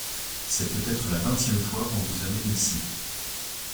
C’est peut-être la vingtième fois qu’on vous amène ici ?